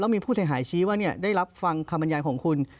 มีผู้เสียหายชี้ว่าได้รับฟังคำบรรยายของคุณ